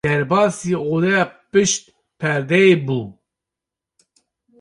Derbasî odeya pişt perdeyê bû.